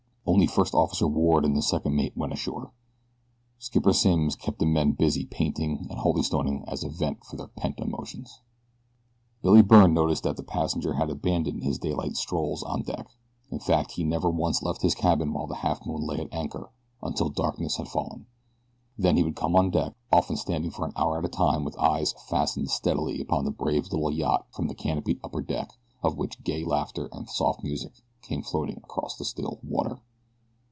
Only First Officer Ward and the second mate went ashore. Skipper Simms kept the men busy painting and holystoning as a vent for their pent emotions. Billy Byrne noticed that the passenger had abandoned his daylight strolls on deck. In fact he never once left his cabin while the Halfmoon lay at anchor until darkness had fallen; then he would come on deck, often standing for an hour at a time with eyes fastened steadily upon the brave little yacht from the canopied upper deck of which gay laughter and soft music came floating across the still water.